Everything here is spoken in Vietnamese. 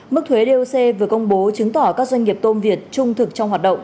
mức thuế doc vừa công bố chứng tỏ các doanh nghiệp tôm việt trung thực trong hoạt động